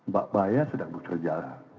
pak baya sedang bekerja